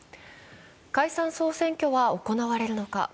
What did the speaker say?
解散総選挙は行われるのか。